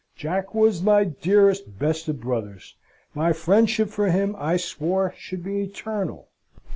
Jack was my dearest, best of brothers. My friendship for him I swore should be eternal.